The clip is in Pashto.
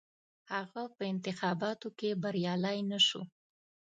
هغه په انتخاباتو کې بریالی نه شو.